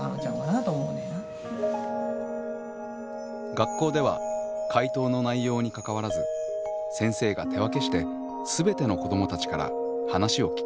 学校では回答の内容にかかわらず先生が手分けして全ての子どもたちから話を聞きます。